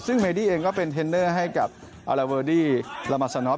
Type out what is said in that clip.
ซึ่งเมดิเองก็เป็นเทนเนอร์ให้กับอลาเวอร์ดีลามัสนอฟ